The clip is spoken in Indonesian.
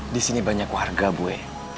di sini banyak warga bue